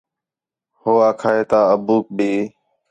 ہو آکھا ہِے تا ابوک بھی